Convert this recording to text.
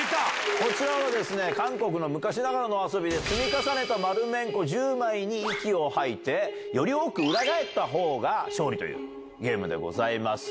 こちらは韓国の昔ながらの遊びで、積み重ねた丸めんこ１０枚に息を吐いて、より多く裏返ったほうが勝利というゲームでございます。